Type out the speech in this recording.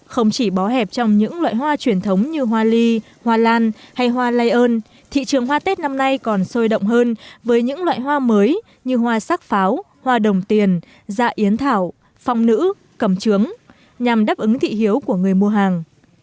không chỉ bó hẹp trong những loại hoa truyền thống như hoa ly hoa lan hay hoa lây ơn thị trường hoa tết năm nay còn sôi động hơn với những loại hoa mới như hoa sắc pháo hoa đồng tiền dạ yến thảo phong nữ cầm trướng nhằm đáp ứng thị hiếu của người mua hàng